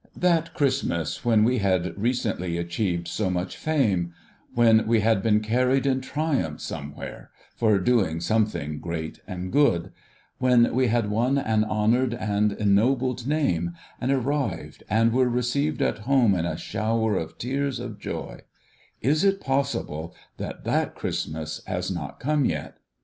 That Christmas when we had recently achieved so much fame ; when we had been carried in triumph somewhere, for doing something great and good ; when we had won an honoured and ennobled name, and arrived and were received at home in a shower of tears of joy ; is it possible that that Christmas has not come yet